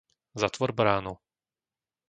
Zatvor bránu.